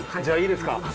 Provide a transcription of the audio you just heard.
じゃあいいですか？